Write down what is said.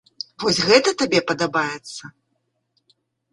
Вось гэта табе падабаецца?